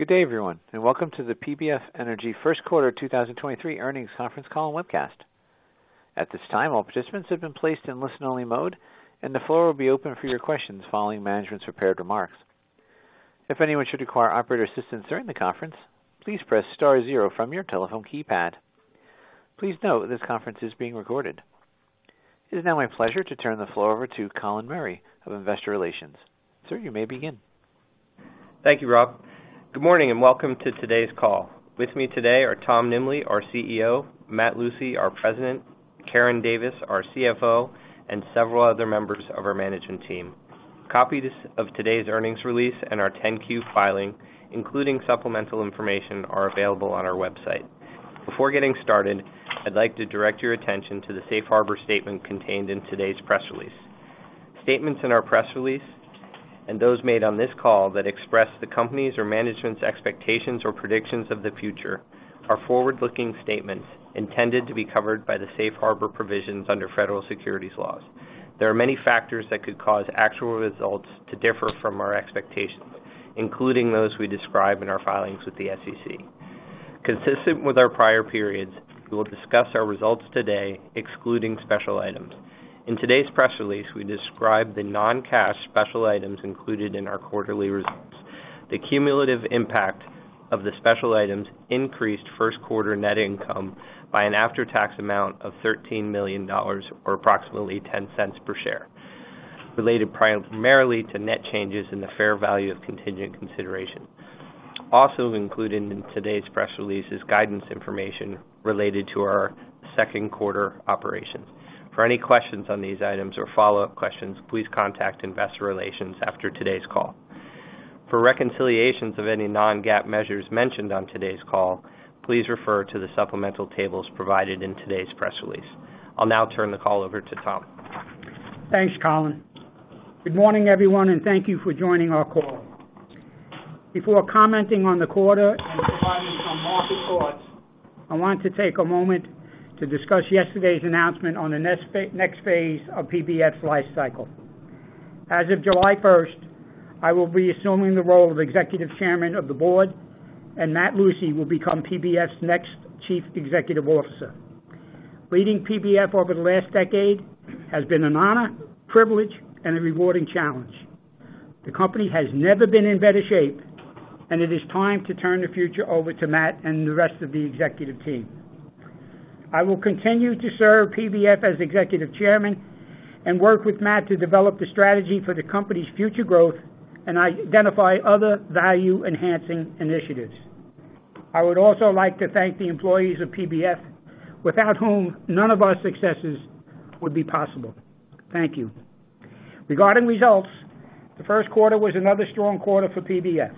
Good day, everyone. Welcome to the PBF Energy First Quarter 2023 earnings conference call and webcast. At this time, all participants have been placed in listen-only mode. The floor will be open for your questions following management's prepared remarks. If anyone should require operator assistance during the conference, please press star zero from your telephone keypad. Please note this conference is being recorded. It is now my pleasure to turn the floor over to Colin Murray of Investor Relations. Sir, you may begin. Thank you, Rob. Good morning and welcome to today's call. With me today are Tom Nimbley, our CEO, Matt Lucey, our President, Karen Davis, our CFO, and several other members of our management team. Copies of today's earnings release and our 10-Q filing, including supplemental information, are available on our website. Before getting started, I'd like to direct your attention to the Safe Harbor statement contained in today's press release. Statements in our press release and those made on this call that express the company's or management's expectations or predictions of the future are forward-looking statements intended to be covered by the Safe Harbor provisions under federal securities laws. There are many factors that could cause actual results to differ from our expectations, including those we describe in our filings with the SEC. Consistent with our prior periods, we will discuss our results today excluding special items. In today's press release, we describe the non-cash special items included in our quarterly results. The cumulative impact of the special items increased first quarter net income by an after-tax amount of $13 million or approximately $0.10 per share, related primarily to net changes in the fair value of contingent consideration. Also included in today's press release is guidance information related to our second quarter operations. For any questions on these items or follow-up questions, please contact investor relations after today's call. For reconciliations of any non-GAAP measures mentioned on today's call, please refer to the supplemental tables provided in today's press release. I'll now turn the call over to Tom. Thanks, Colin. Good morning, everyone, thank you for joining our call. Before commenting on the quarter and providing some market thoughts, I want to take a moment to discuss yesterday's announcement on the next phase of PBF's lifecycle. As of July first, I will be assuming the role of Executive Chairman of the Board. Matt Lucey will become PBF's next Chief Executive Officer. Leading PBF over the last decade has been an honor, privilege, and a rewarding challenge. The company has never been in better shape. It is time to turn the future over to Matt and the rest of the executive team. I will continue to serve PBF as Executive Chairman and work with Matt to develop the strategy for the company's future growth and identify other value-enhancing initiatives. I would also like to thank the employees of PBF, without whom none of our successes would be possible. Thank you. Regarding results, the first quarter was another strong quarter for PBF.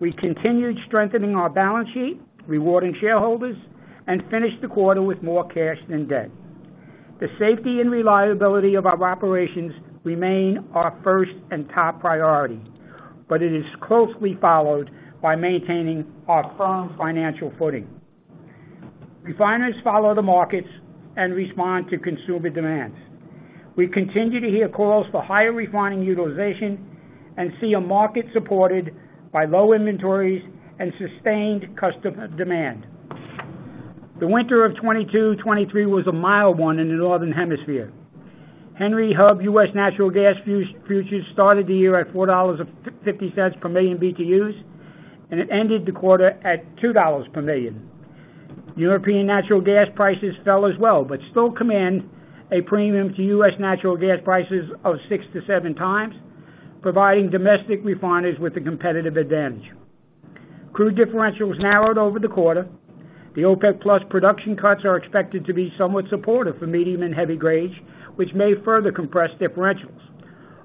We continued strengthening our balance sheet, rewarding shareholders, and finished the quarter with more cash than debt. The safety and reliability of our operations remain our first and top priority, but it is closely followed by maintaining our firm financial footing. Refiners follow the markets and respond to consumer demands. We continue to hear calls for higher refining utilization and see a market supported by low inventories and sustained customer demand. The winter of 2022, 2023 was a mild one in the Northern Hemisphere. Henry Hub U.S. natural gas futures started the year at $4.50 per million BTUs, and it ended the quarter at $2 per million. European natural gas prices fell as well, but still command a premium to U.S. natural gas prices of 6 to 7 times, providing domestic refineries with a competitive advantage. Crude differentials narrowed over the quarter. The OPEC+ production cuts are expected to be somewhat supportive for medium and heavy grades, which may further compress differentials.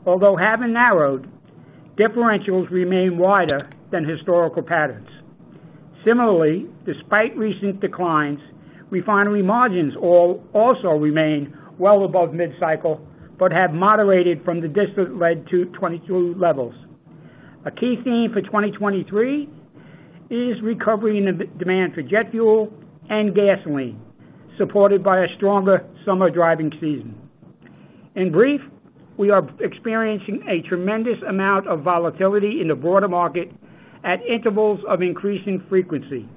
Although having narrowed, differentials remain wider than historical patterns. Similarly, despite recent declines, refinery margins also remain well above mid-cycle, but have moderated from the distant lead to 2022 levels. A key theme for 2023 is recovery in the demand for jet fuel and gasoline, supported by a stronger summer driving season. In brief, we are experiencing a tremendous amount of volatility in the broader market at intervals of increasing frequency.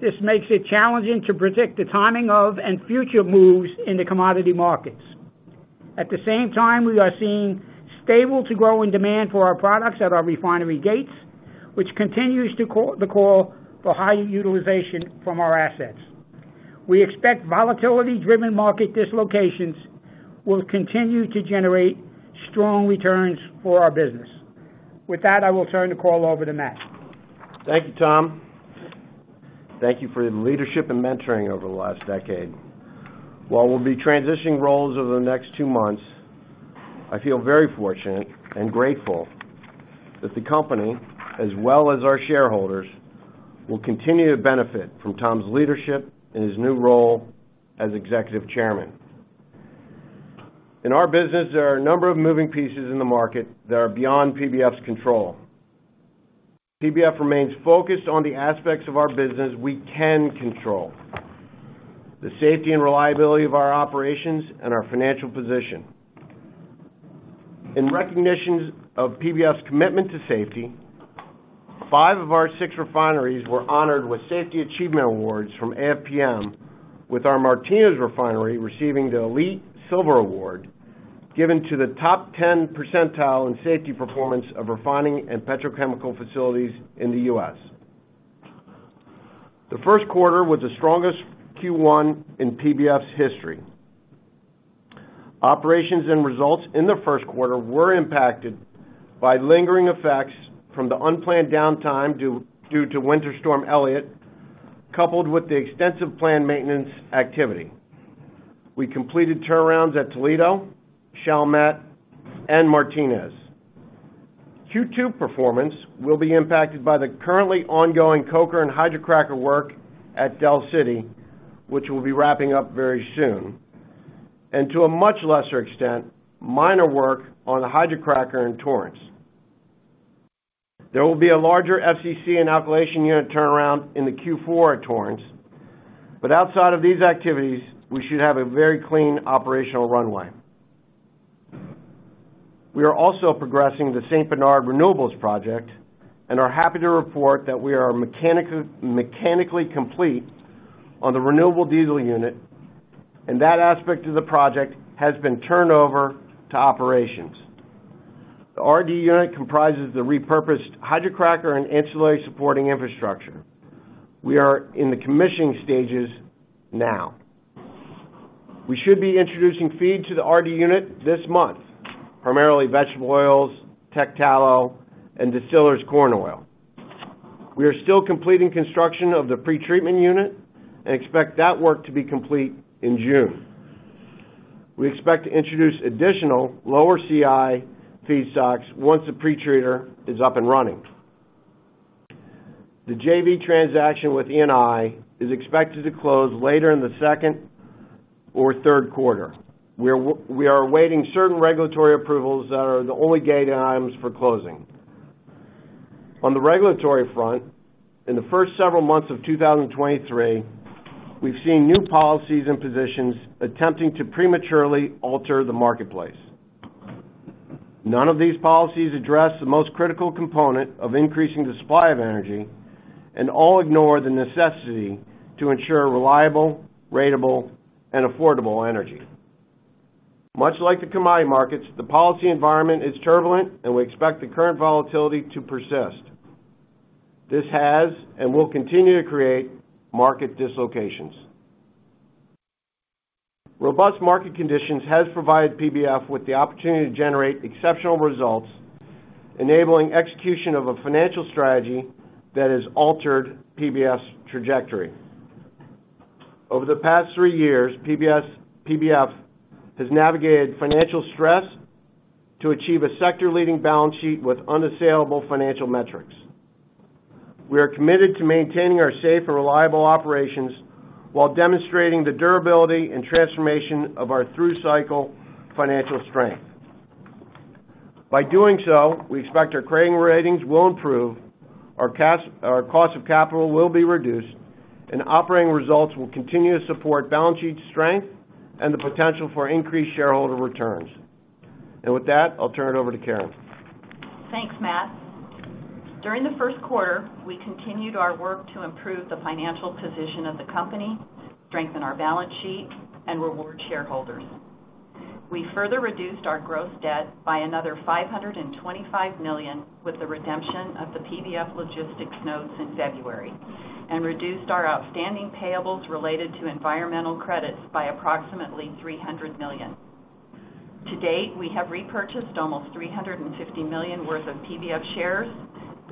This makes it challenging to predict the timing of and future moves in the commodity markets. At the same time, we are seeing stable to growing demand for our products at our refinery gates, which continues the call for higher utilization from our assets. We expect volatility-driven market dislocations will continue to generate strong returns for our business. With that, I will turn the call over to Matt. Thank you, Tom. Thank you for your leadership and mentoring over the last decade. While we'll be transitioning roles over the next two months, I feel very fortunate and grateful that the company, as well as our shareholders, will continue to benefit from Tom's leadership in his new role as Executive Chairman. In our business, there are a number of moving pieces in the market that are beyond PBF's control. PBF remains focused on the aspects of our business we can control: the safety and reliability of our operations and our financial position. In recognition of PBF's commitment to safety, five of our six refineries were honored with safety achievement awards from AFPM with our Martinez Refinery receiving the Elite Silver Award given to the top 10 percentile in safety performance of refining and petrochemical facilities in the U.S. The first quarter was the strongest Q1 in PBF's history. Operations and results in the first quarter were impacted by lingering effects from the unplanned downtime due to Winter Storm Elliott, coupled with the extensive planned maintenance activity. We completed turnarounds at Toledo, Chalmette, and Martinez. Q2 performance will be impacted by the currently ongoing coker and hydrocracker work at Delaware City, which will be wrapping up very soon, and to a much lesser extent, minor work on the hydrocracker in Torrance. There will be a larger FCC and alkylation unit turnaround in the Q4 at Torrance. Outside of these activities, we should have a very clean operational runway. We are also progressing the St. Bernard Renewables project and are happy to report that we are mechanically complete on the renewable diesel unit, and that aspect of the project has been turned over to operations. The RD unit comprises the repurposed hydrocracker and ancillary supporting infrastructure. We are in the commissioning stages now. We should be introducing feed to the RD unit this month, primarily vegetable oils, tech tallow, and distillers' corn oil. We are still completing construction of the pretreatment unit and expect that work to be complete in June. We expect to introduce additional lower CI feedstocks once the pretreator is up and running. The JV transaction with ENI is expected to close later in the second or third quarter. We are awaiting certain regulatory approvals that are the only gated items for closing. On the regulatory front, in the first several months of 2023, we've seen new policies and positions attempting to prematurely alter the marketplace. None of these policies address the most critical component of increasing the supply of energy and all ignore the necessity to ensure reliable, ratable, and affordable energy. Much like the commodity markets, the policy environment is turbulent, and we expect the current volatility to persist. This has and will continue to create market dislocations. Robust market conditions has provided PBF with the opportunity to generate exceptional results, enabling execution of a financial strategy that has altered PBF's trajectory. Over the past 3 years, PBF has navigated financial stress to achieve a sector-leading balance sheet with unassailable financial metrics. We are committed to maintaining our safe and reliable operations while demonstrating the durability and transformation of our through-cycle financial strength. By doing so, we expect our credit ratings will improve, our cost of capital will be reduced, and operating results will continue to support balance sheet strength and the potential for increased shareholder returns. With that, I'll turn it over to Karen. Thanks, Matt. During the first quarter, we continued our work to improve the financial position of the company, strengthen our balance sheet, and reward shareholders. We further reduced our gross debt by another $525 million with the redemption of the PBF Logistics notes in February and reduced our outstanding payables related to environmental credits by approximately $300 million. To date, we have repurchased almost $350 million worth of PBF shares,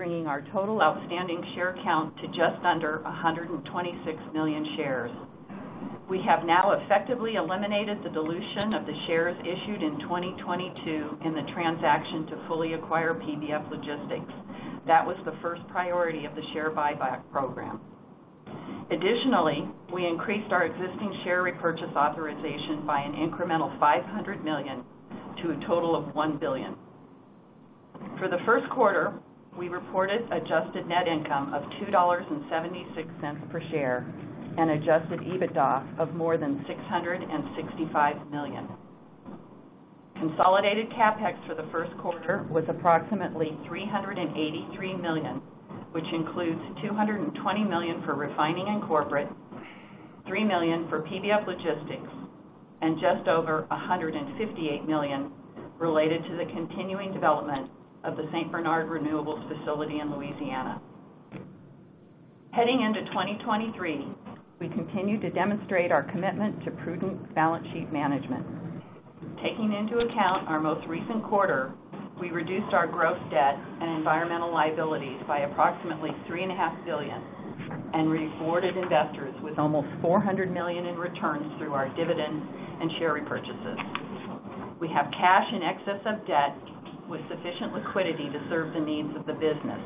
bringing our total outstanding share count to just under 126 million shares. We have now effectively eliminated the dilution of the shares issued in 2022 in the transaction to fully acquire PBF Logistics. That was the first priority of the share buyback program. Additionally, we increased our existing share repurchase authorization by an incremental $500 million to a total of $1 billion. For the first quarter, we reported adjusted net income of $2.76 per share and adjusted EBITDA of more than $665 million. Consolidated CapEx for the first quarter was approximately $383 million, which includes $220 million for refining and corporate, $3 million for PBF Logistics, and just over $158 million related to the continuing development of the St. Bernard Renewables facility in Louisiana. Heading into 2023, we continue to demonstrate our commitment to prudent balance sheet management. Taking into account our most recent quarter, we reduced our gross debt and environmental liabilities by approximately $3.5 billion and rewarded investors with almost $400 million in returns through our dividends and share repurchases. We have cash in excess of debt with sufficient liquidity to serve the needs of the business.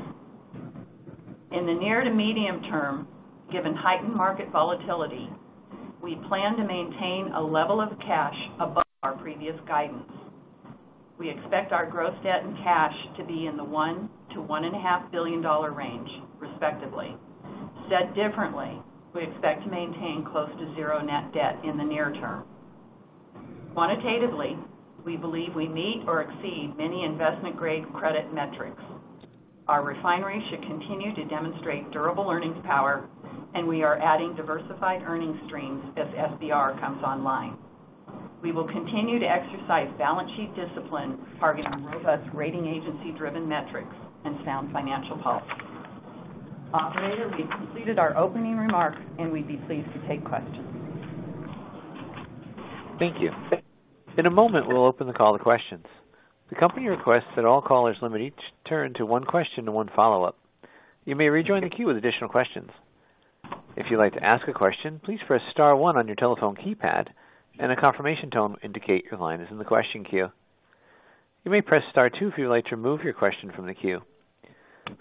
In the near to medium term, given heightened market volatility, we plan to maintain a level of cash above our previous guidance. We expect our gross debt and cash to be in the $1 billion to one and a half billion dollar range, respectively. Said differently, we expect to maintain close to zero net debt in the near term. Quantitatively, we believe we meet or exceed many investment-grade credit metrics. Our refinery should continue to demonstrate durable earnings power, and we are adding diversified earnings streams as SBR comes online. We will continue to exercise balance sheet discipline, targeting robust rating agency-driven metrics and sound financial health. Operator, we've completed our opening remarks, and we'd be pleased to take questions. Thank you. In a moment, we'll open the call to questions. The company requests that all callers limit each turn to one question to one follow-up. You may rejoin the queue with additional questions. If you'd like to ask a question, please press star one on your telephone keypad, and a confirmation tone will indicate your line is in the question queue. You may press Star two if you would like to remove your question from the queue.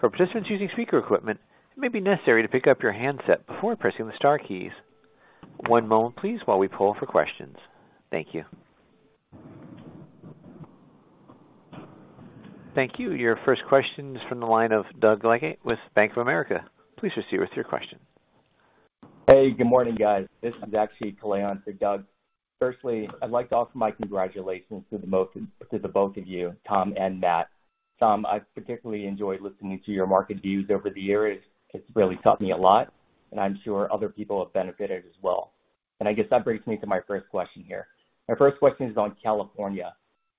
For participants using speaker equipment, it may be necessary to pick up your handset before pressing the star keys. One moment, please, while we pull for questions. Thank you. Thank you. Your first question is from the line of Doug Leggate with Bank of America. Please proceed with your question. Hey, good morning, guys. This is actually Clayton for Doug. Firstly, I'd like to offer my congratulations to the both of you, Tom and Matt. Tom, I particularly enjoyed listening to your market views over the years. It's really taught me a lot, and I'm sure other people have benefited as well. I guess that brings me to my first question here. My first question is on California.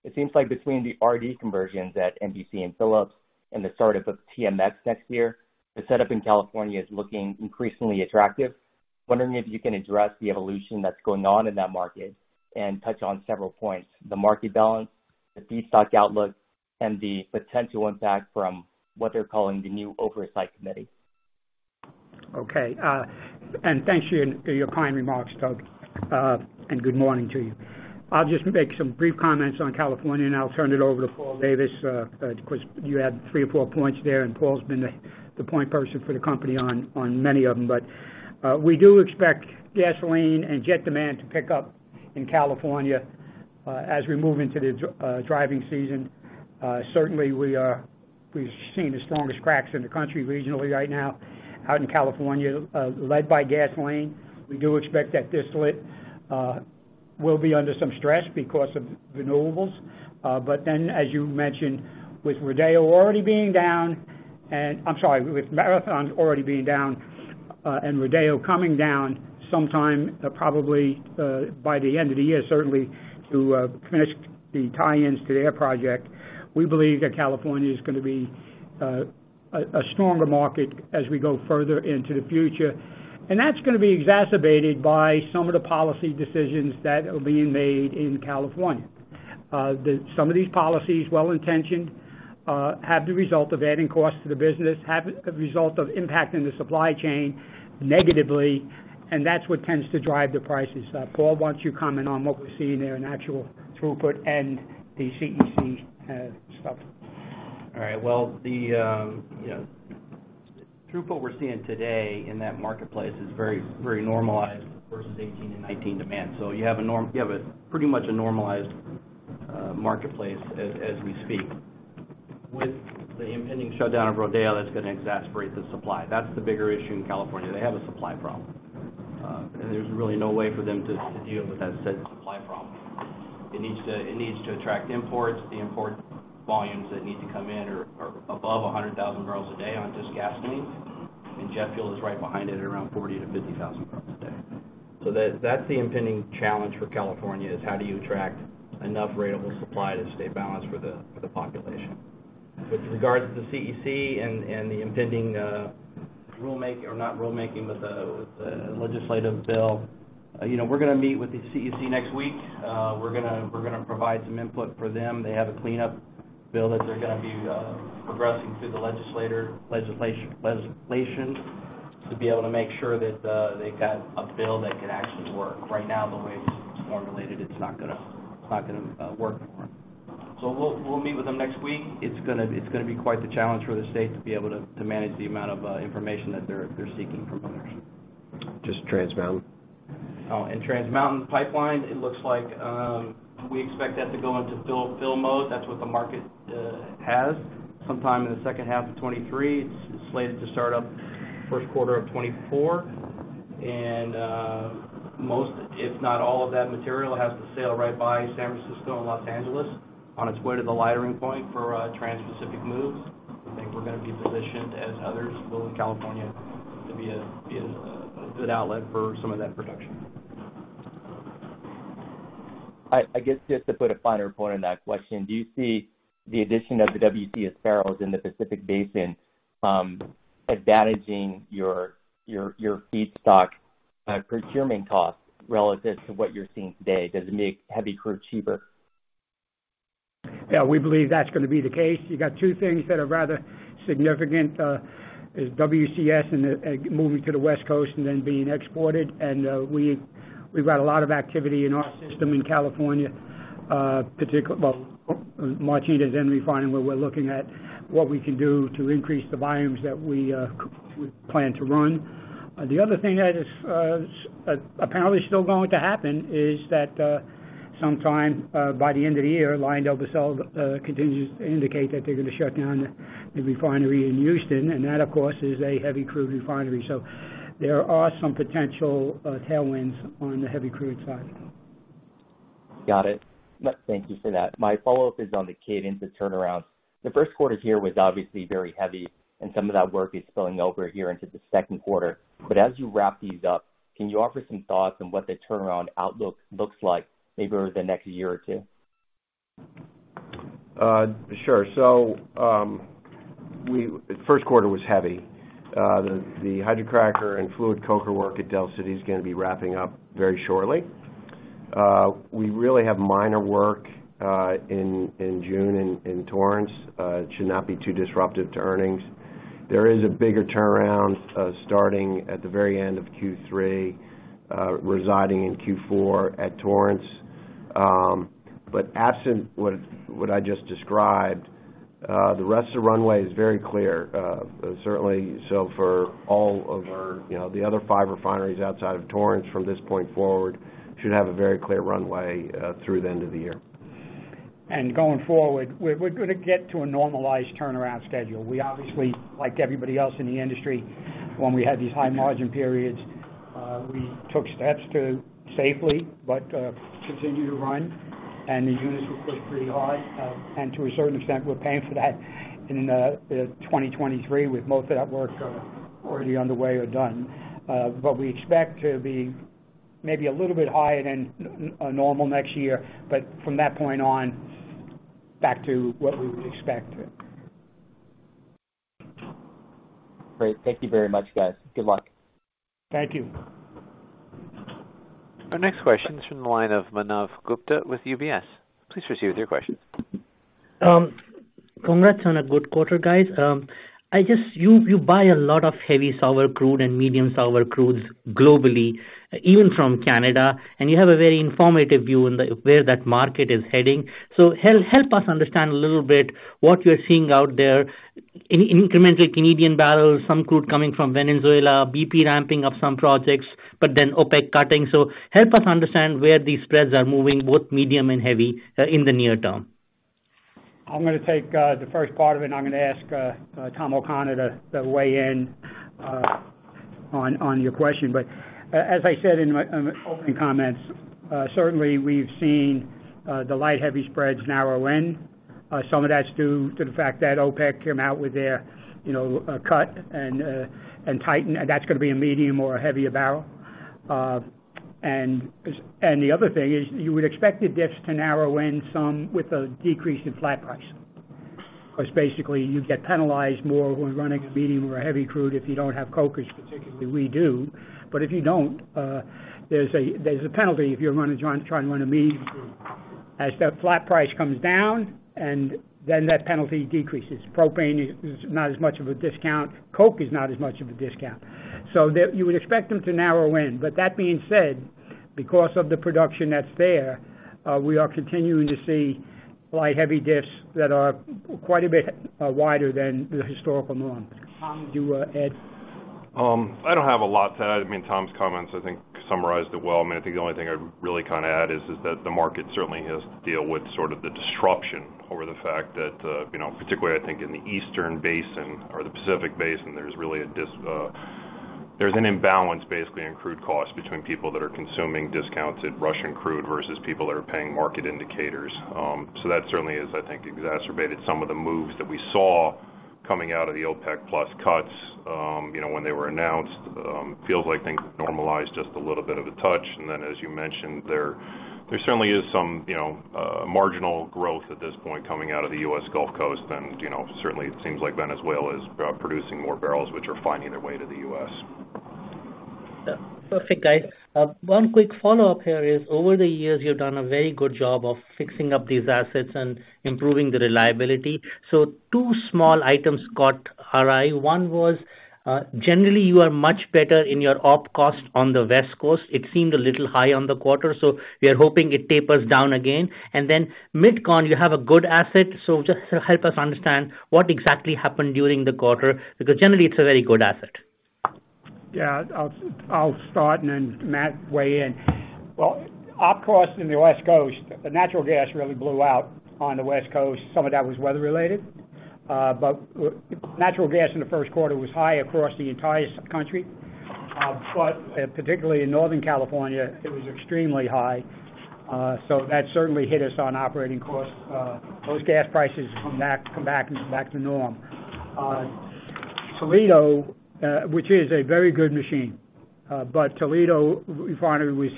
It seems like between the RD conversions at MBC and Phillips and the startup of TMX next year, the setup in California is looking increasingly attractive. Wondering if you can address the evolution that's going on in that market and touch on several points, the market balance, the destock outlook, and the potential impact from what they're calling the new Oversight Committee. Okay, thanks for your kind remarks, Doug, good morning to you. I'll just make some brief comments on California, and I'll turn it over to Paul Davis. Of course, you had three or four points there, Paul's been the point person for the company on many of them. We do expect gasoline and jet demand to pick up in California as we move into the driving season. Certainly, we've seen the strongest cracks in the country regionally right now out in California, led by gasoline. We do expect that distillate will be under some stress because of renewables. As you mentioned, with Rodeo already being down and... I'm sorry, with Marathon already being down, and Rodeo coming down sometime probably by the end of the year, certainly to finish the tie-ins to their project. We believe that California is gonna be a stronger market as we go further into the future. That's gonna be exacerbated by some of the policy decisions that are being made in California. Some of these policies, well-intentioned, have the result of adding costs to the business, have a result of impacting the supply chain negatively. That's what tends to drive the prices up. Paul, why don't you comment on what we're seeing there in actual throughput and the CEC stuff? All right. Well, the, you know, throughput we're seeing today in that marketplace is very, very normalized versus 2018 and 2019 demand. You have a pretty much a normalized marketplace as we speak. With the impending shutdown of Rodeo, that's gonna exasperate the supply. That's the bigger issue in California. They have a supply problem. There's really no way for them to deal with that said supply problem. It needs to attract imports. The import volumes that need to come in are above 100,000 barrels a day on just gasoline. Jet fuel is right behind it at around 40,000-50,000 barrels a day. That's the impending challenge for California, is how do you attract enough ratable supply to stay balanced for the population. With regards to the CEC and the impending rulemaking or not rulemaking, but the legislative bill, you know, we're gonna meet with the CEC next week. We're gonna provide some input for them. They have a cleanup bill that they're gonna be progressing through the legislation to be able to make sure that they've got a bill that can actually work. Right now, the way it's formulated, it's not gonna work for them. We'll meet with them next week. It's gonna be quite the challenge for the state to be able to manage the amount of information that they're seeking from others. Just Trans Mountain. Trans Mountain Pipeline, it looks like, we expect that to go into build mode. That's what the market has. Sometime in the second half of 2023. It's slated to start up first quarter of 2024. Most, if not all of that material, has to sail right by San Francisco and Los Angeles on its way to the lightering point for transpacific moves. I think we're gonna be positioned, as others will in California, to be a good outlet for some of that production. I guess, just to put a finer point on that question, do you see the addition of the WCS barrels in the Pacific Basin, advantaging your feedstock procurement costs relative to what you're seeing today? Does it make heavy crude cheaper? Yeah. We believe that's gonna be the case. You got two things that are rather significant. WCS moving to the West Coast and then being exported. We've got a lot of activity in our system in California, particular well, Martinez and refining, where we're looking at what we can do to increase the volumes that we plan to run. The other thing that is apparently still going to happen is that sometime by the end of the year, LyondellBasell continues to indicate that they're gonna shut down the refinery in Houston, and that, of course, is a heavy crude refinery. So there are some potential tailwinds on the heavy crude side. Got it. Thank you for that. My follow-up is on the cadence of turnarounds. The first quarter here was obviously very heavy, and some of that work is spilling over here into the second quarter. As you wrap these up, can you offer some thoughts on what the turnaround outlook looks like maybe over the next year or two? Sure. The first quarter was heavy. The hydrocracker and fluid coker work at Delaware City is gonna be wrapping up very shortly. We really have minor work in June in Torrance. It should not be too disruptive to earnings. There is a bigger turnaround starting at the very end of Q3, residing in Q4 at Torrance. Absent what I just described, the rest of the runway is very clear. Certainly, for all of our, you know, the other five refineries outside of Torrance from this point forward should have a very clear runway through the end of the year. Going forward, we're gonna get to a normalized turnaround schedule. We obviously, like everybody else in the industry, when we had these high margin periods, we took steps to safely, but continue to run. The units were pushed pretty hard. To a certain extent, we're paying for that in 2023, with most of that work already underway or done. But we expect to be maybe a little bit higher than normal next year, but from that point on, back to what we would expect. Great. Thank you very much, guys. Good luck. Thank you. Our next question is from the line of Manav Gupta with UBS. Please proceed with your question. Congrats on a good quarter, guys. You buy a lot of heavy sour crude and medium sour crudes globally, even from Canada, and you have a very informative view on where that market is heading. Help us understand a little bit what you're seeing out there in incremental Canadian barrels, some crude coming from Venezuela, BP ramping up some projects, OPEC cutting. Help us understand where these spreads are moving, both medium and heavy, in the near term. I'm gonna take the first part of it, and I'm gonna ask Tom O'Connor to weigh in on your question. As I said in my opening comments, certainly we've seen the light heavy spreads narrow in. Some of that's due to the fact that OPEC came out with their, you know, cut and tighten. That's gonna be a medium or a heavier barrel. The other thing is you would expect the diffs to narrow in some with a decrease in flat price. Because basically, you get penalized more when running a medium or a heavy crude if you don't have cokers, particularly we do. If you don't, there's a penalty if you're trying to run a medium crude. As that flat price comes down, and then that penalty decreases. Propane is not as much of a discount. Coke is not as much of a discount. You would expect them to narrow in. That being said, because of the production that's there, we are continuing to see light heavy diffs that are quite a bit wider than the historical norm. Tom, would you add? I don't have a lot to add. I mean, Tom's comments, I think, summarized it well. I mean, I think the only thing I'd really kind of add is that the market certainly has to deal with sort of the disruption over the fact that, you know, particularly I think in the Eastern Basin or the Pacific Basin, there's really an imbalance basically in crude costs between people that are consuming discounted Russian crude versus people that are paying market indicators. That certainly has, I think, exacerbated some of the moves that we saw coming out of the OPEC+ cuts, you know, when they were announced. Feels like things normalized just a little bit of a touch. As you mentioned, there certainly is some, you know, marginal growth at this point coming out of the U.S. Gulf Coast. You know, certainly it seems like Venezuela is producing more barrels, which are finding their way to the U.S. Yeah. Perfect, guys. One quick follow-up here is, over the years, you've done a very good job of fixing up these assets and improving the reliability. Two small items caught our eye. One was, generally, you are much better in your op cost on the West Coast. It seemed a little high on the quarter, we are hoping it tapers down again. MidCon, you have a good asset. Just help us understand what exactly happened during the quarter, because generally it's a very good asset. Yeah. I'll start Matt weigh in. Well, op cost in the West Coast, natural gas really blew out on the West Coast. Some of that was weather related. Natural gas in the first quarter was high across the entire country. Particularly in Northern California, it was extremely high. That certainly hit us on operating costs. Those gas prices come back to norm. Toledo, which is a very good machine, Toledo Refinery was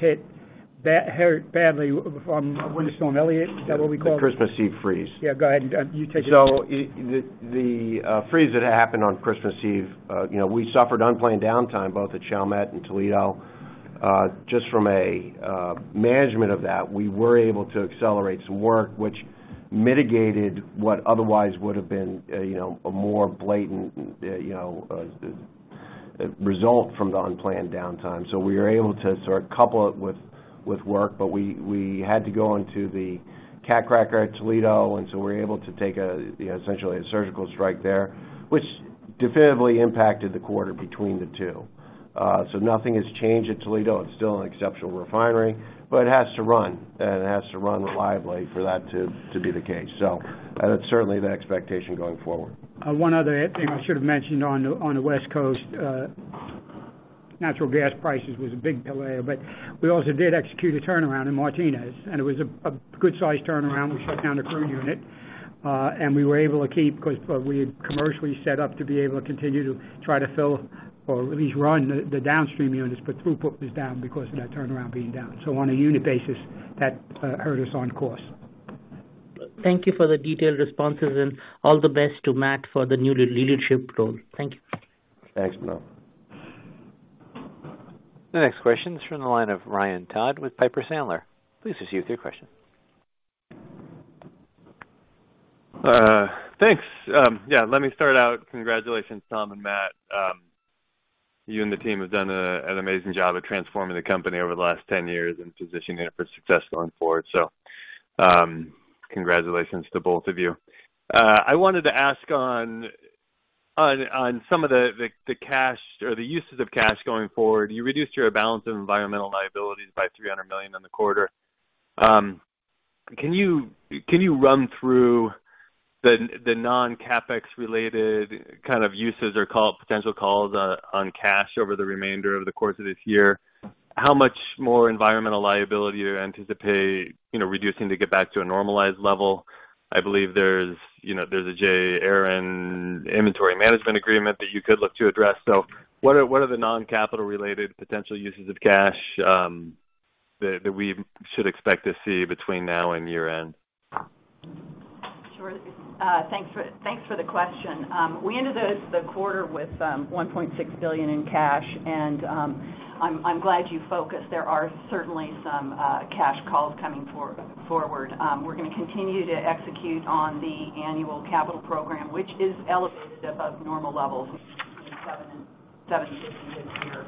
hurt badly from Winter Storm Elliott. Is that what we called it? The Christmas Eve freeze. Yeah, go ahead. You take it. The freeze that happened on Christmas Eve, you know, we suffered unplanned downtime both at Chalmette and Toledo. Just from a management of that, we were able to accelerate some work which mitigated what otherwise would have been, you know, a more blatant, you know, Result from the unplanned downtime. We are able to sort of couple it with work, but we had to go into the cat cracker at Toledo, and so we're able to take a, essentially, a surgical strike there, which definitively impacted the quarter between the two. Nothing has changed at Toledo. It's still an exceptional refinery, but it has to run, and it has to run reliably for that to be the case. That's certainly the expectation going forward. One other thing I should have mentioned on the, on the West Coast, natural gas prices was a big player. We also did execute a turnaround in Martinez, and it was a good size turnaround. We shut down a crew unit, and we were able to keep because we had commercially set up to be able to continue to try to fill or at least run the downstream units. Throughput was down because of that turnaround being down. On a unit basis, that hurt us on cost. Thank you for the detailed responses and all the best to Matt for the new leadership role. Thank you. Thanks, Paul. The next question is from the line of Ryan Todd with Piper Sandler. Please proceed with your question. Thanks. Yeah, let me start out. Congratulations, Tom and Matt. You and the team have done an amazing job of transforming the company over the last 10 years and positioning it for success going forward. Congratulations to both of you. I wanted to ask on some of the cash or the uses of cash going forward. You reduced your balance of environmental liabilities by $300 million in the quarter. Can you run through the non-CapEx related kind of uses or potential calls on cash over the remainder of the course of this year? How much more environmental liability you anticipate, you know, reducing to get back to a normalized level? I believe there's, you know, there's a J. Aron inventory management agreement that you could look to address. What are the non-capital related potential uses of cash that we should expect to see between now and year-end? Sure. Thanks for the question. We ended the quarter with $1.6 billion in cash, and I'm glad you focused. There are certainly some cash calls coming forward. We're gonna continue to execute on the annual capital program, which is elevated above normal levels $700-$750 this year.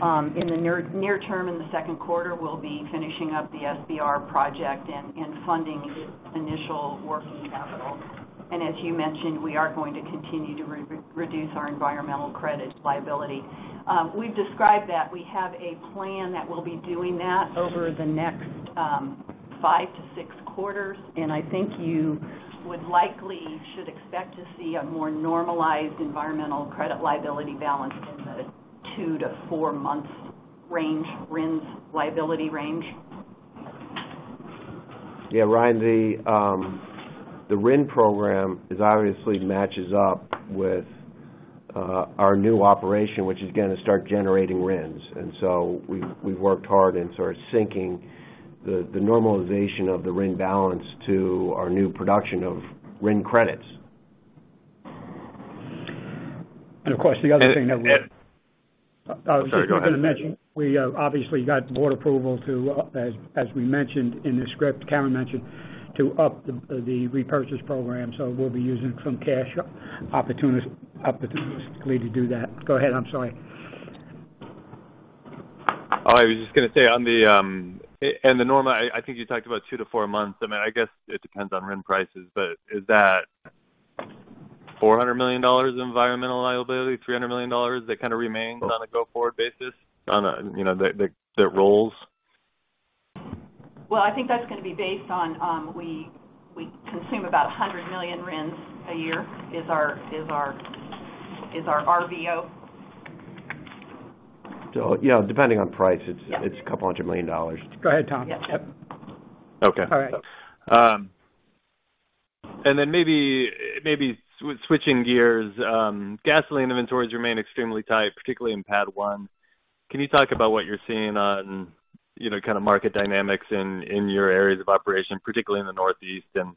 In the near term, in the second quarter, we'll be finishing up the SBR project and funding its initial working capital. As you mentioned, we are going to continue to reduce our environmental credit liability. We've described that. We have a plan that we'll be doing that over the next five to six quarters. I think you would likely should expect to see a more normalized environmental credit liability balance in the 2-4 months range, RINs liability range. Yeah, Ryan, the RIN program is obviously matches up with our new operation, which is gonna start generating RINs. We've, we've worked hard in sort of syncing the normalization of the RIN balance to our new production of RIN credits. Of course, the other thing that. Sorry, go ahead. I was just gonna mention, we obviously got board approval to, as we mentioned in the script, Karen mentioned, to up the repurchase program. We'll be using some cash opportunistically to do that. Go ahead. I'm sorry. I was just gonna say on the normal, I think you talked about two to four months. I mean, I guess it depends on RIN prices, but is that $400 million environmental liability, $300 million that kind of remains on a go-forward basis on a, you know, that rolls? Well, I think that's gonna be based on, we consume about 100 million RINs a year, is our RVO. Yeah, depending on price. Yeah. It's a couple hundred million dollars. Go ahead, Tom. Yep. Yep. Okay. All right. Maybe switching gears. Gasoline inventories remain extremely tight, particularly in Pad 1. Can you talk about what you're seeing on, you know, kind of market dynamics in your areas of operation, particularly in the Northeast, and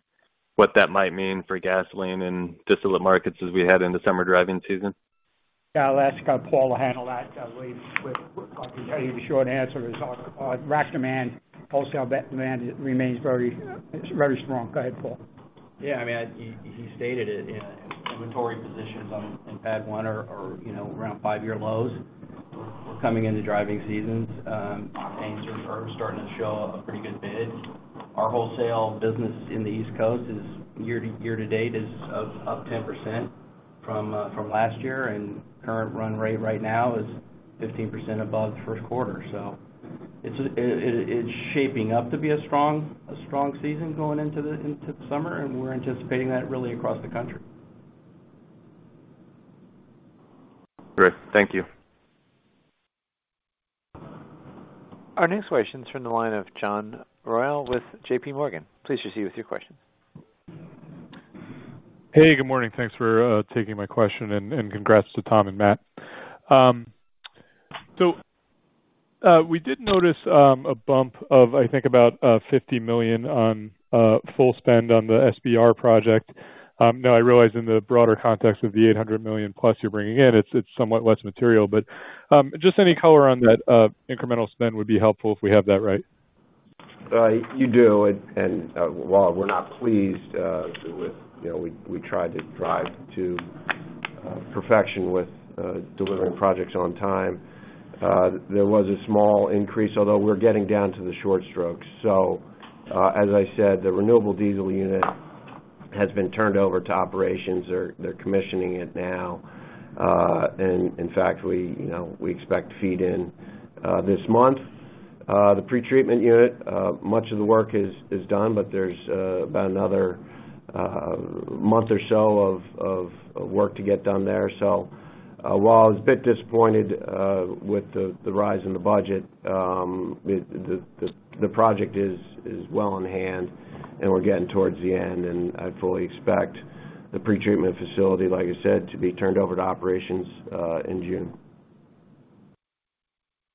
what that might mean for gasoline and distillate markets as we head into summer driving season? Yeah. I'll ask Paul to handle that. quick talking. The short answer is our rack demand, wholesale de-demand remains very strong. Go ahead, Paul. I mean, he stated it. Inventory positions in pad one are, you know, around five-year lows coming into driving seasons. Things are starting to show a pretty good bid. Our wholesale business in the East Coast is year to date is up 10% from last year, and current run rate right now is 15% above first quarter. It's shaping up to be a strong season going into the summer, and we're anticipating that really across the country. Great. Thank you. Our next question is from the line of John Royall with J.P. Morgan. Please proceed with your question. Hey, good morning. Thanks for taking my question and congrats to Tom and Matt. We did notice a bump of, I think, about $50 million on full spend on the SBR project. Now I realize in the broader context of the $800 million plus you're bringing in, it's somewhat less material, but just any color on that incremental spend would be helpful if we have that right. You do. While we're not pleased, with, you know, we try to drive to perfection with delivering projects on time. There was a small increase, although we're getting down to the short strokes. As I said, the renewable diesel unit has been turned over to operations. They're commissioning it now. In fact, we, you know, we expect to feed in this month. The pretreatment unit, much of the work is done, but there's about another month or so of work to get done there. While I was a bit disappointed with the rise in the budget, the project is well in hand, and we're getting towards the end, and I fully expect the pretreatment facility, like I said, to be turned over to operations in June.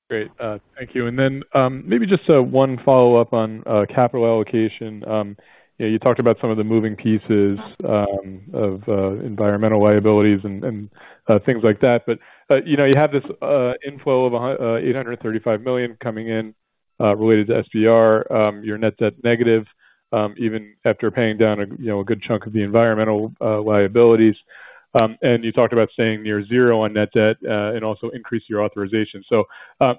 Great. Thank you. Maybe just 1 follow-up on capital allocation. You know, you talked about some of the moving pieces of environmental liabilities and things like that. You know, you have this inflow of $835 million coming in related to SPR. Your net debt negative, even after paying down a, you know, a good chunk of the environmental liabilities. You talked about staying near zero on net debt and also increase your authorization.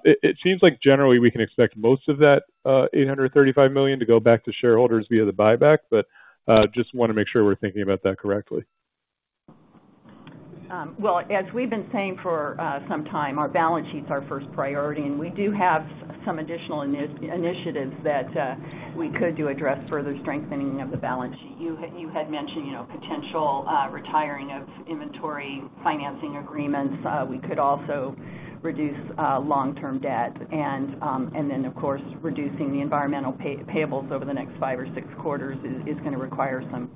It seems like generally we can expect most of that $835 million to go back to shareholders via the buyback. Just wanna make sure we're thinking about that correctly. Well, as we've been saying for some time, our balance sheet's our first priority, and we do have some additional initiatives that we could do address further strengthening of the balance sheet. You had mentioned, you know, potential retiring of inventory, financing agreements. We could also reduce long-term debt and then, of course, reducing the environmental payables over the next five or six quarters is gonna require some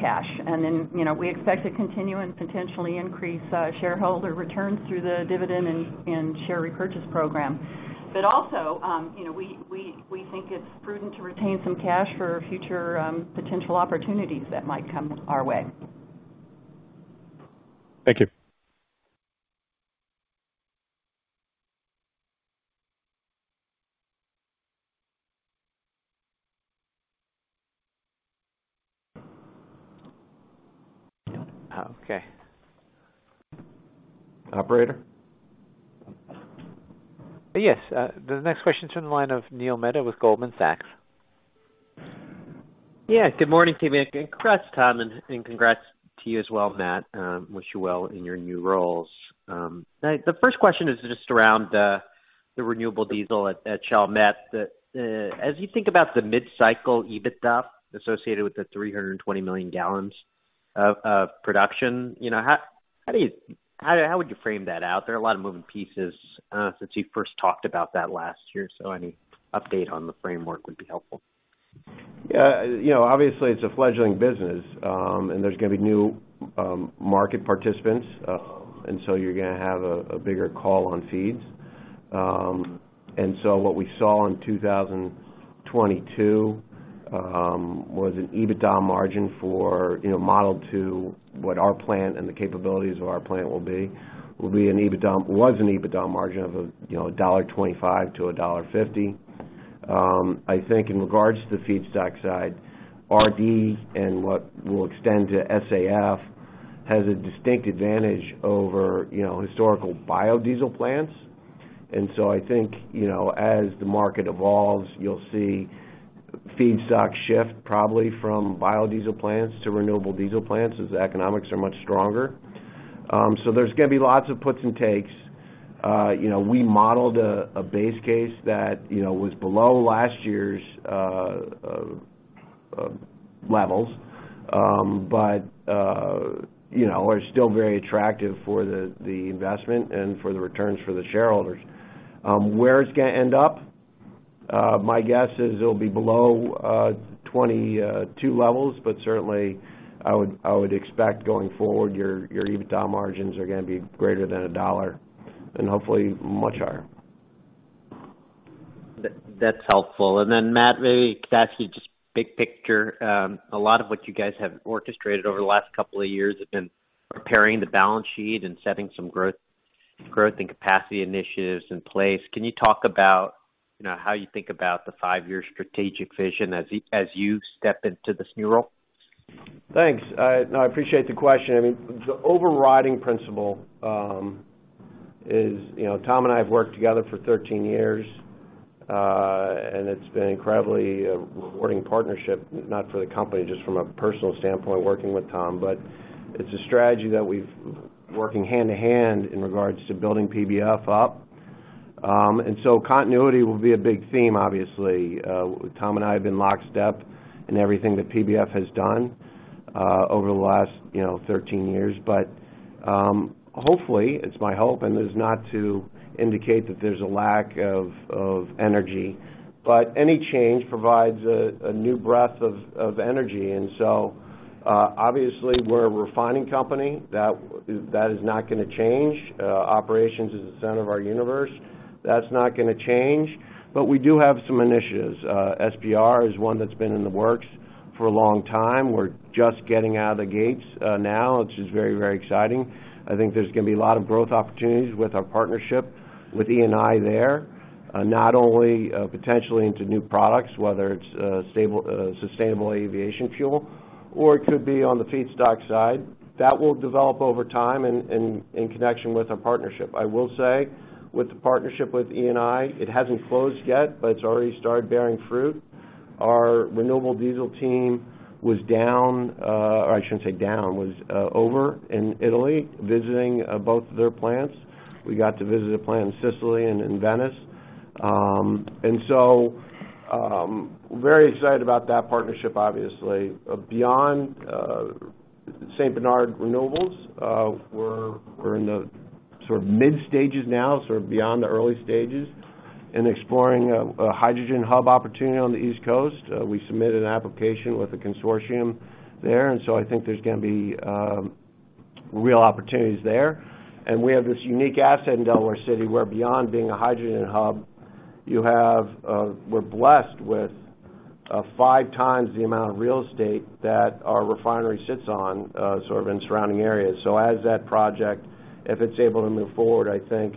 cash. Then, you know, we expect to continue and potentially increase shareholder returns through the dividend and share repurchase program. Also, you know, we think it's prudent to retain some cash for future potential opportunities that might come our way. Thank you. Okay. Operator? Yes. The next question is from the line of Neil Mehta with Goldman Sachs. Good morning to you. Congrats, Tom, and congrats to you as well, Matt. Wish you well in your new roles. The first question is just around the renewable diesel at Chalmette. As you think about the mid-cycle EBITDA associated with the 320 million gallons of production, you know, how would you frame that out? There are a lot of moving pieces since you first talked about that last year, so any update on the framework would be helpful. Yeah. You know, obviously, it's a fledgling business, and there's gonna be new market participants, and so you're gonna have a bigger call on feeds. What we saw in 2022 was an EBITDA margin for, you know, modeled to what our plant and the capabilities of our plant will be. Was an EBITDA margin of, you know, $1.25 to $1.50. I think in regards to the feedstock side, RD and what we'll extend to SAF has a distinct advantage over, you know, historical biodiesel plants. I think, you know, as the market evolves, you'll see feedstock shift probably from biodiesel plants to renewable diesel plants as the economics are much stronger. There's gonna be lots of puts and takes. you know, we modeled a base case that, you know, was below last year's levels, but, you know, are still very attractive for the investment and for the returns for the shareholders. Where it's gonna end up, my guess is it'll be below 2022 levels, but certainly I would expect going forward, your EBITDA margins are gonna be greater than $1 and hopefully much higher. That's helpful. Then, Matt, maybe can ask you just big picture. A lot of what you guys have orchestrated over the last couple of years have been preparing the balance sheet and setting some growth and capacity initiatives in place. Can you talk about, you know, how you think about the five-year strategic vision as you step into this new role? Thanks. No, I appreciate the question. I mean, the overriding principle is, you know, Tom and I have worked together for 13 years, and it's been incredibly a rewarding partnership, not for the company, just from a personal standpoint working with Tom. It's a strategy that we've working hand in hand in regards to building PBF up. Continuity will be a big theme, obviously. Tom and I have been lockstep in everything that PBF has done, over the last, you know, 13 years. Hopefully, it's my hope, and it is not to indicate that there's a lack of energy, but any change provides a new breath of energy. Obviously we're a refining company. That is not gonna change. Operations is the center of our universe. That's not gonna change. We do have some initiatives. SPR is one that's been in the works for a long time. We're just getting out of the gates now, which is very, very exciting. I think there's gonna be a lot of growth opportunities with our partnership with Eni there, not only potentially into new products, whether it's sustainable aviation fuel or it could be on the feedstock side. That will develop over time in connection with our partnership. I will say, with the partnership with Eni, it hasn't closed yet, but it's already started bearing fruit. Our renewable diesel team was over in Italy visiting both of their plants. We got to visit a plant in Sicily and in Venice. Very excited about that partnership, obviously. Beyond St. Bernard Renewables, we're in the sort of mid stages now, sort of beyond the early stages in exploring a hydrogen hub opportunity on the East Coast. We submitted an application with a consortium there, and so I think there's gonna be real opportunities there. We have this unique asset in Delaware City, where beyond being a hydrogen hub, you have, we're blessed with 5 times the amount of real estate that our refinery sits on, sort of in surrounding areas. As that project, if it's able to move forward, I think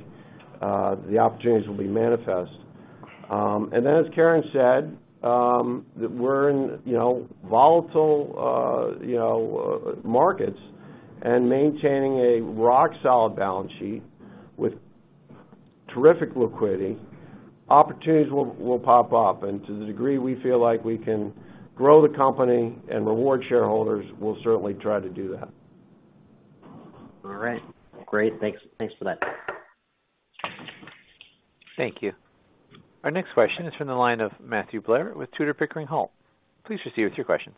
the opportunities will be manifest. As Karen said, that we're in, you know, volatile, you know, markets and maintaining a rock-solid balance sheet with terrific liquidity, opportunities will pop up. To the degree we feel like we can grow the company and reward shareholders, we'll certainly try to do that. All right. Great. Thanks for that. Thank you. Our next question is from the line of Matthew Blair with Tudor Pickering Holt. Please proceed with your questions.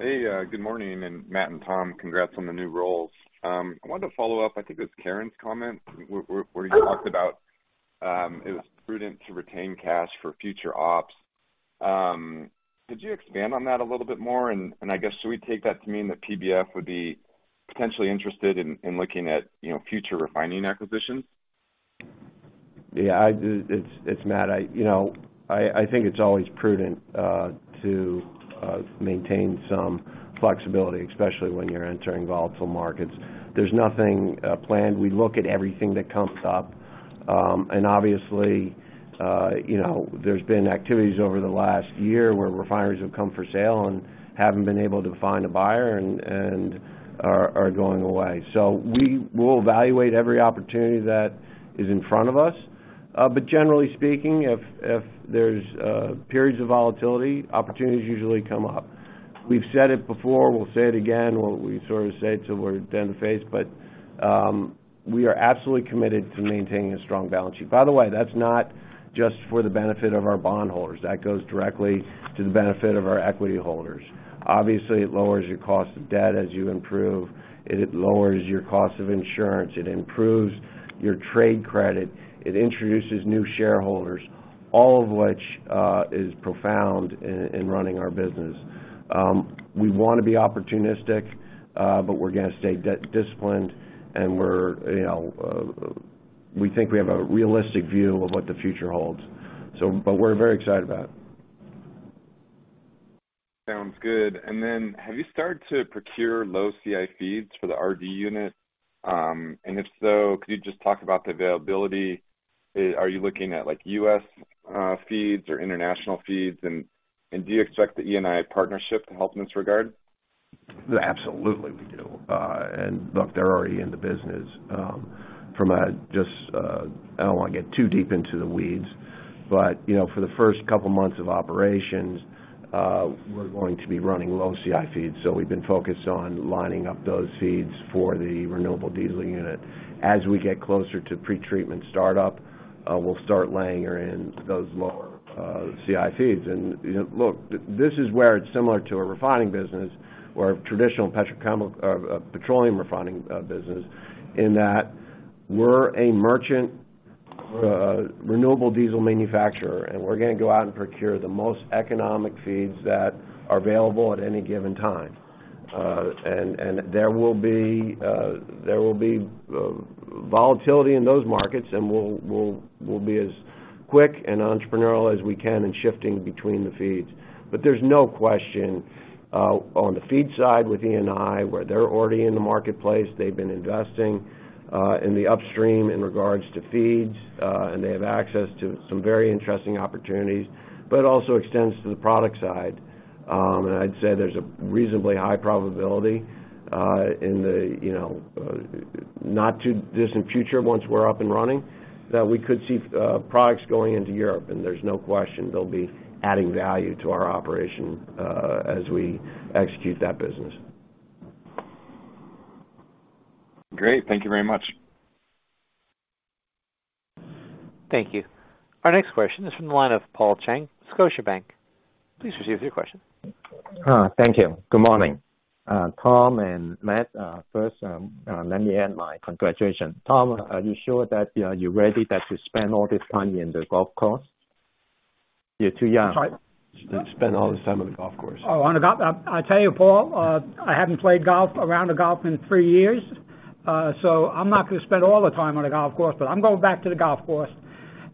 Hey, good morning. Matt and Tom, congrats on the new roles. I wanted to follow up, I think it was Karen's comment where you talked about, it was prudent to retain cash for future ops. Could you expand on that a little bit more? I guess, should we take that to mean that PBF would be potentially interested in looking at, you know, future refining acquisitions? It's Matt. You know, I think it's always prudent to maintain some flexibility, especially when you're entering volatile markets. There's nothing planned. We look at everything that comes up. Obviously, you know, there's been activities over the last year where refineries have come for sale and haven't been able to find a buyer and are going away. We will evaluate every opportunity that is in front of us. Generally speaking, if there's periods of volatility, opportunities usually come up. We've said it before, we'll say it again, or we sort of say it till we're blue in the face. We are absolutely committed to maintaining a strong balance sheet. By the way, that's not just for the benefit of our bondholders. That goes directly to the benefit of our equity holders. Obviously, it lowers your cost of debt as you improve. It lowers your cost of insurance. It improves your trade credit. It introduces new shareholders, all of which, is profound in running our business. We wanna be opportunistic, but we're gonna stay debt disciplined, and we're, you know, we think we have a realistic view of what the future holds. We're very excited about it. Sounds good. Have you started to procure low CI feeds for the RD unit? If so, could you just talk about the availability? Are you looking at, like, U.S. feeds or international feeds? And do you expect the ENI partnership to help in this regard? Absolutely, we do. Look, they're already in the business. From a just, I don't wanna get too deep into the weeds, but, you know, for the first couple months of operations, we're going to be running low CI feeds. We've been focused on lining up those feeds for the renewable diesel unit. As we get closer to pretreatment startup, we'll start layering in those lower CI feeds. You know, look, this is where it's similar to a refining business or a traditional petrochemical or a petroleum refining business, in that we're a merchant renewable diesel manufacturer, and we're gonna go out and procure the most economic feeds that are available at any given time. There will be volatility in those markets, and we'll be as quick and entrepreneurial as we can in shifting between the feeds. There's no question, on the feed side with ENI, where they're already in the marketplace. They've been investing, in the upstream in regards to feeds, and they have access to some very interesting opportunities, but it also extends to the product side. I'd say there's a reasonably high probability, in the, you know, not too distant future, once we're up and running, that we could see, products going into Europe. There's no question they'll be adding value to our operation, as we execute that business. Great. Thank you very much. Thank you. Our next question is from the line of Paul Cheng, Scotiabank. Please proceed with your question. Thank you. Good morning, Tom and Matt. First, let me add my congratulations. Tom, are you sure that you're ready that you spend all this time in the golf course? You're too young. Sorry? Spend all his time on the golf course. Oh, on the golf. I'll tell you, Paul, I haven't played golf, a round of golf in three years. I'm not gonna spend all the time on the golf course, but I'm going back to the golf course.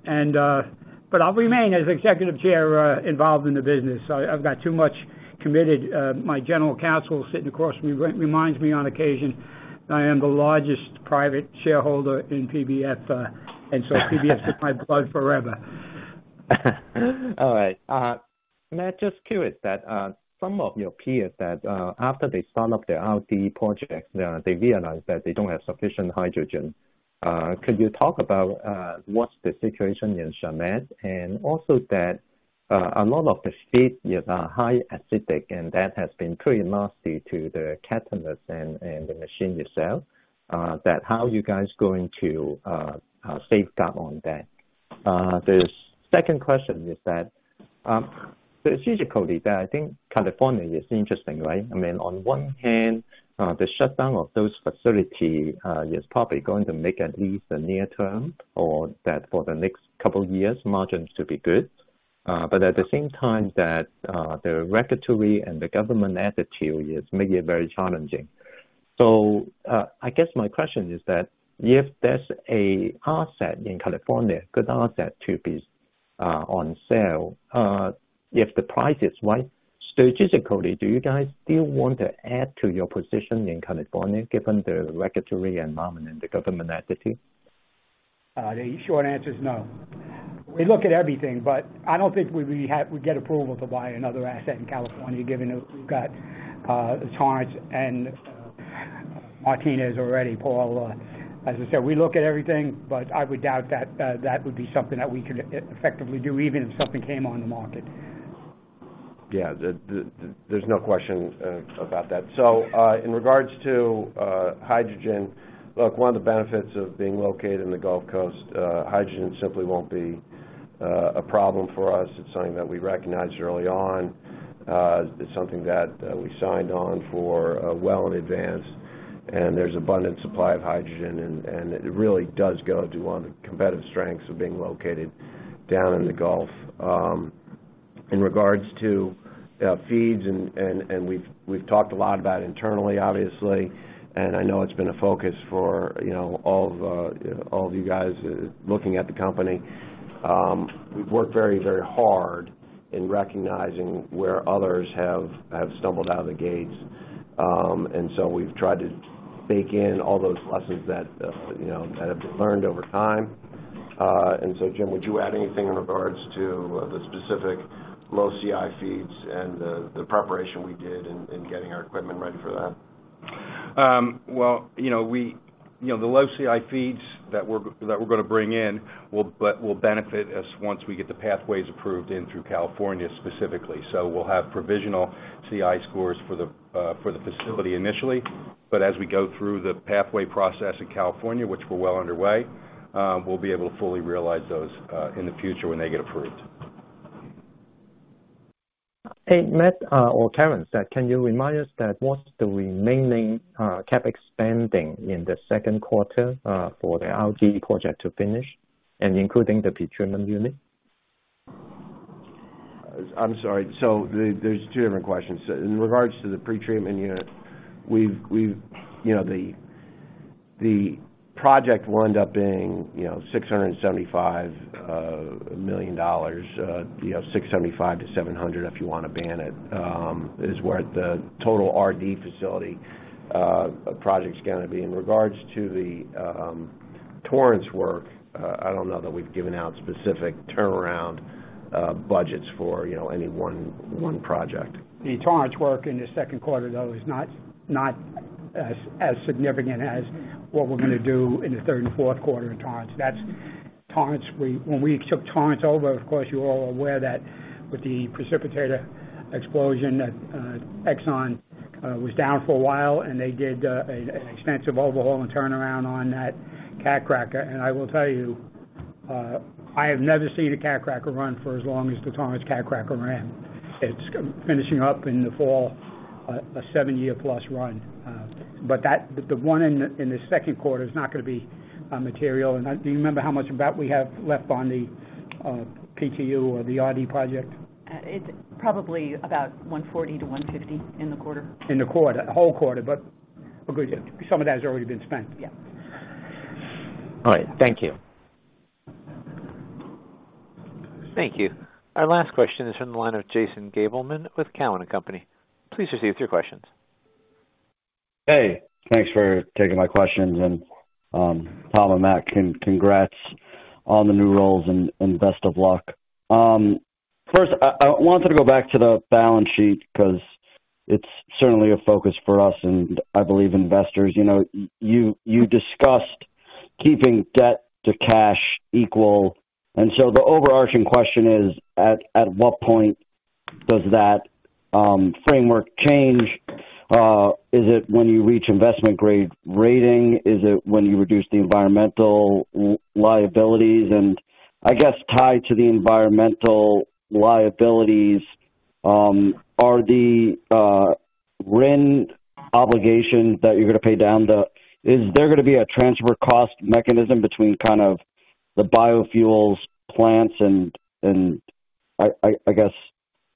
But I'll remain as Executive Chairman, involved in the business. I've got too much committed. My general counsel sitting across me reminds me on occasion that I am the largest private shareholder in PBF's in my blood forever. All right. Matt, just curious that some of your peers that after they sum up their RD projects, they realize that they don't have sufficient hydrogen. Could you talk about what's the situation in Chalmette? Also that a lot of the feeds is high acidic, and that has been pretty nasty to the catalyst and the machine itself. That how you guys going to safeguard on that? The second question is that strategically that I think California is interesting, right? I mean, on one hand, the shutdown of those facility is probably going to make at least the near term or that for the next couple of years margins to be good. At the same time that the regulatory and the government attitude is maybe very challenging. I guess my question is that if there's a asset in California, good asset to be on sale, if the price is right, strategically, do you guys still want to add to your position in California given the regulatory environment and the government attitude? The short answer is no. We look at everything, but I don't think we get approval to buy another asset in California given that we've got Torrance and Martinez already. Paul, as I said, we look at everything, but I would doubt that that would be something that we could effectively do, even if something came on the market. Yeah. There's no question about that. In regards to hydrogen. Look, one of the benefits of being located in the Gulf Coast, hydrogen simply won't be a problem for us. It's something that we recognized early on. It's something that we signed on for well in advance. There's abundant supply of hydrogen and it really does go to one of the competitive strengths of being located down in the Gulf. In regards to feeds and we've talked a lot about internally, obviously, and I know it's been a focus for, you know, all of all of you guys looking at the company. We've worked very, very hard in recognizing where others have stumbled out of the gates. We've tried to bake in all those lessons that, you know, that have been learned over time. Jim, would you add anything in regards to the specific low CI feeds and the preparation we did in getting our equipment ready for that? Well, you know, the low CI feeds that we're gonna bring in will benefit us once we get the pathways approved in through California specifically. We'll have provisional CI scores for the facility initially, but as we go through the pathway process in California, which we're well underway, we'll be able to fully realize those in the future when they get approved. Hey, Matt, or Karen, can you remind us that what's the remaining CapEx spending in the second quarter, for the SBR project to finish and including the pretreatment unit? I'm sorry. There's two different questions. In regards to the pretreatment unit, You know, the project will end up being, you know, $675 million. You know, $675-$700, if you wanna ban it, is where the total RD facility project's gonna be. In regards to the Torrance work, I don't know that we've given out specific turnaround budgets for, you know, any one project. The Torrance work in the second quarter, though is not as significant as what we're gonna do in the third and fourth quarter in Torrance. Torrance, When we took Torrance over, of course, you all are aware that with the precipitator explosion that Exxon was down for a while, and they did an extensive overhaul and turnaround on that cat cracker. I will tell you, I have never seen a cat cracker run for as long as the Torrance cat cracker ran. It's finishing up in the fall, a 7-year+ run. The one in the second quarter is not gonna be material. Do you remember how much of that we have left on the PTU or the RD project? It's probably about $1.40-$1.50 in the quarter. In the quarter. The whole quarter, but some of that has already been spent. Yeah. All right. Thank you. Thank you. Our last question is from the line of Jason Gabelman with Cowen and Company. Please receive your questions. Hey, thanks for taking my questions. Paul and Matt congrats on the new roles and best of luck. First I wanted to go back to the balance sheet 'cause it's certainly a focus for us and I believe investors. You know, you discussed keeping debt to cash equal. The overarching question is, at what point does that framework change? Is it when you reach investment grade rating? Is it when you reduce the environmental liabilities? I guess tied to the environmental liabilities, are the RIN obligation that you're gonna pay down the...? Is there gonna be a transfer cost mechanism between kind of the biofuels plants and I guess,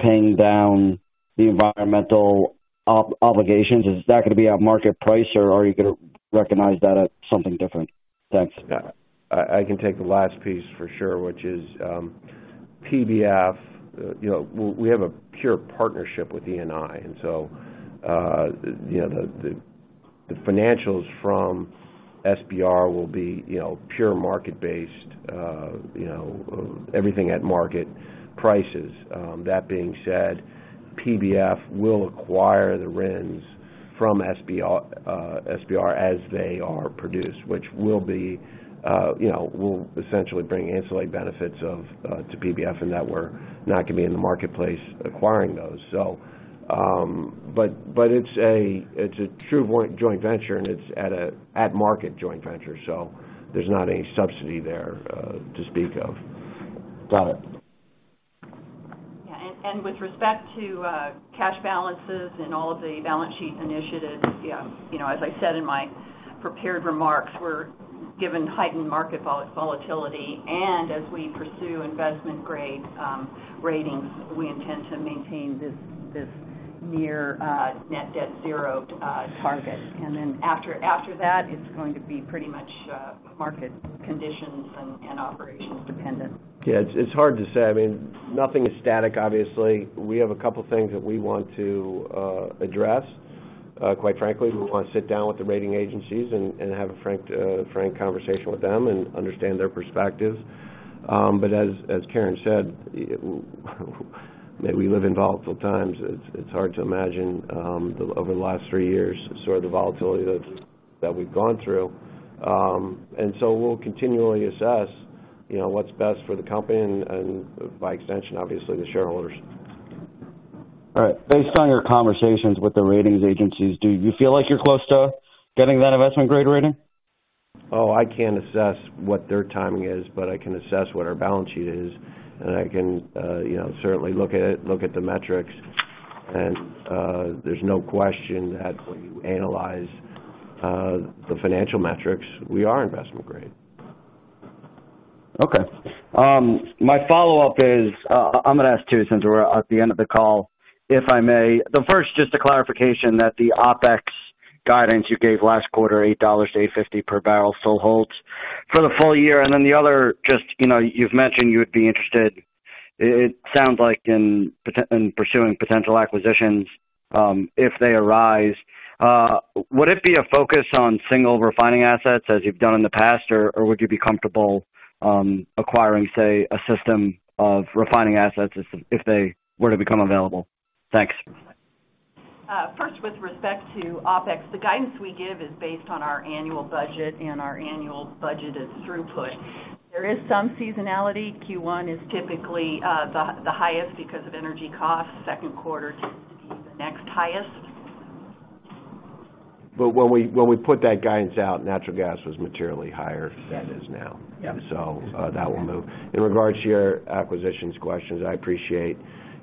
paying down the environmental obligations? Is that gonna be at market price or are you gonna recognize that at something different? Thanks. Yeah. I can take the last piece for sure, which is PBF, you know, we have a pure partnership with ENI. The financials from SBR will be, you know, pure market-based, you know, everything at market prices. That being said, PBF will acquire the RINs from SBR as they are produced, which will be, you know, will essentially bring insulate benefits to PBF in that we're not gonna be in the marketplace acquiring those. It's a true joint venture and it's at a market joint venture, so there's not any subsidy there to speak of. Got it. Yeah. With respect to cash balances and all of the balance sheet initiatives, you know, as I said in my prepared remarks, we're given heightened market volatility, and as we pursue investment grade ratings, we intend to maintain this near net debt zero target. Then after that, it's going to be pretty much market conditions and operations dependent. It's hard to say. I mean, nothing is static, obviously. We have a couple things that we want to address. Quite frankly, we wanna sit down with the rating agencies and have a frank conversation with them and understand their perspective. As Karen said, we live in volatile times. It's hard to imagine, over the last three years, sort of the volatility that we've gone through. We'll continually assess, you know, what's best for the company and by extension, obviously the shareholders. All right. Based on your conversations with the ratings agencies, do you feel like you're close to getting that investment grade rating? I can't assess what their timing is, but I can assess what our balance sheet is, and I can, you know, certainly look at it, look at the metrics. There's no question that when you analyze the financial metrics, we are investment grade. Okay. my follow-up is, I'm gonna ask two since we're at the end of the call, if I may. The first, just a clarification that the OpEx guidance you gave last quarter, $8-$8.50 per barrel still holds for the full year. The other, just, you know, you've mentioned you would be interested, it sounds like in pursuing potential acquisitions, if they arise. Would it be a focus on single refining assets as you've done in the past, or would you be comfortable, acquiring, say, a system of refining assets as if they were to become available? Thanks. First, with respect to OpEx, the guidance we give is based on our annual budget and our annual budgeted throughput. There is some seasonality. Q1 is typically the highest because of energy costs. Second quarter tends to be the next highest. When we put that guidance out, natural gas was materially higher than it is now. Yeah. That will move. In regards to your acquisitions questions, I appreciate,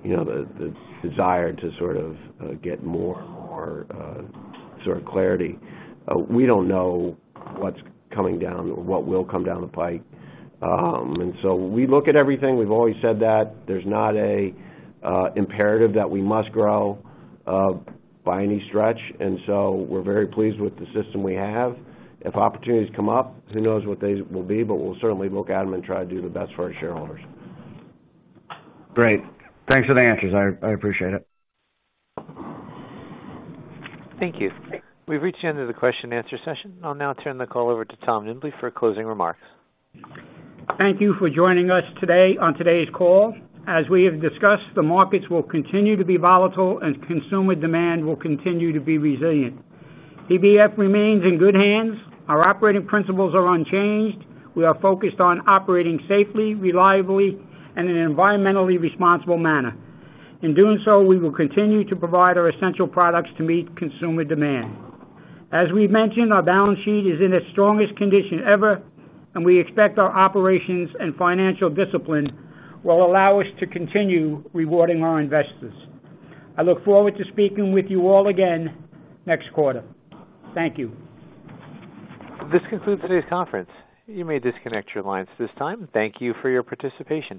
you know, the desire to sort of get more and more sort of clarity. We don't know what's coming down or what will come down the pike. We look at everything. We've always said that. There's not a imperative that we must grow by any stretch. We're very pleased with the system we have. If opportunities come up, who knows what they will be? We'll certainly look at them and try to do the best for our shareholders. Great. Thanks for the answers. I appreciate it. Thank you. We've reached the end of the question and answer session. I'll now turn the call over to Tom Nimbley for closing remarks. Thank you for joining us today on today's call. As we have discussed, the markets will continue to be volatile and consumer demand will continue to be resilient. PBF remains in good hands. Our operating principles are unchanged. We are focused on operating safely, reliably, and in an environmentally responsible manner. In doing so, we will continue to provide our essential products to meet consumer demand. As we mentioned, our balance sheet is in its strongest condition ever, and we expect our operations and financial discipline will allow us to continue rewarding our investors. I look forward to speaking with you all again next quarter. Thank you. This concludes today's conference. You may disconnect your lines at this time. Thank you for your participation.